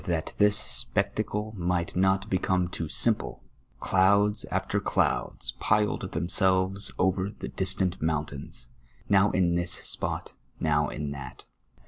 403 that this spectacle mi*:;lit not become too simple, clouds after clouds piled theuiselves over the distant mountains, now in tliis spot, now in tliat.